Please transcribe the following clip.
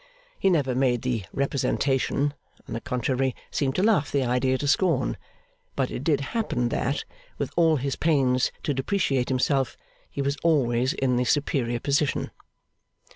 He never made the representation, on the contrary seemed to laugh the idea to scorn; but it did happen that, with all his pains to depreciate himself, he was always in the superior position.